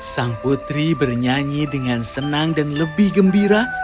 sang putri bernyanyi dengan senang dan lebih gembira